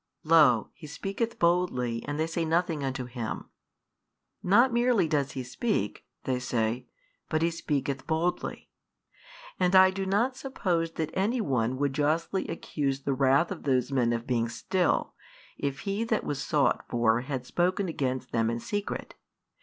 Lo, He speaketh boldly and they say nothing unto Him. Not merely does He speak, they say, but He speaketh boldly. And I do not suppose that any one would justly accuse the wrath of those men of being still, if He that was sought for had spoken against them in secret.